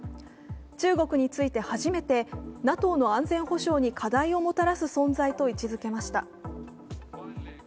中国について初めてＮＡＴＯの安全保障に課題をもたらす存在と位置づけました。